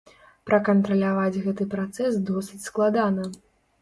Пракантраляваць гэты працэс досыць складана.